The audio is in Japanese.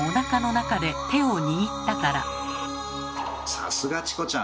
さすがチコちゃん！